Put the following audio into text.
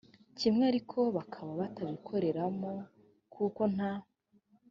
kimwe ariko bakaba batabikoreremo kuko nta